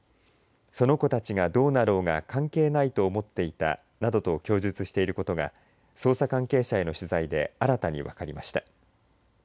その子たちがどうなろうが関係ないと思っていたなどと供述していることが捜査関係者への取材で新たに分かりました。